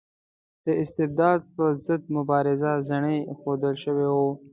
د استبداد پر ضد مبارزه زڼي ایښودل شوي وو.